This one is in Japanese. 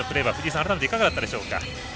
改めていかがだったでしょうか。